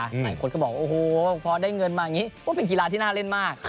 หลายคนก็บอกโอ้โหพอได้เงินมาอย่างนี้ก็เป็นกีฬาที่น่าเล่นมาก